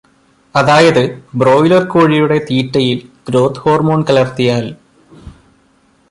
അതായത് ബ്രോയ്ലർ കോഴിയുടെ തീറ്റയിൽ growth hormone കലർത്തിയാൽ